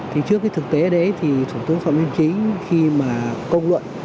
thì trước cái thực tế đấy thì thủ tướng phạm minh chính khi mà công luận